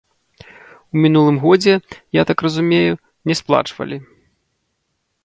У мінулым годзе, я так разумею, не сплачвалі.